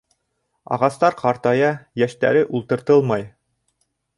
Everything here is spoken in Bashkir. Ағастар ҡартая, йәштәре ултыртылмай.